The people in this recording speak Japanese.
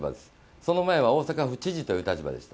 その前は大阪府知事という立場でした。